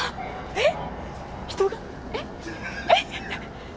えっ！